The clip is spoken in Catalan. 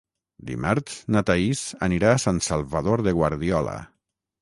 Dimarts na Thaís anirà a Sant Salvador de Guardiola.